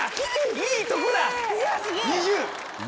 いいとこ！